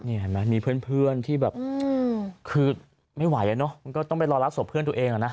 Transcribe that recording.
นี่เห็นไหมมีเพื่อนที่แบบคือไม่ไหวอ่ะเนอะมันก็ต้องไปรอรับศพเพื่อนตัวเองอ่ะนะ